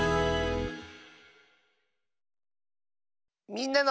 「みんなの」。